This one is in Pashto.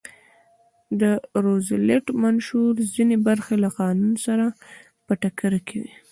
د روزولټ منشور ځینې برخې له قانون سره په ټکر کې وې.